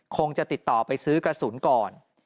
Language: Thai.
คงจะติดต่อไปซื้อกระสุนก่อน